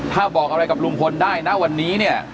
ถ้าบอกอะไรกับลุงพลได้นะวันนี้เนี่ย